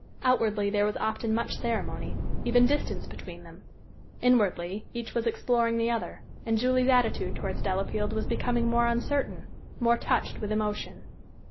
Outwardly there was often much ceremony, even distance between them; inwardly, each was exploring the other, and Julie's attitude towards Delafield was becoming more uncertain, more touched with emotion.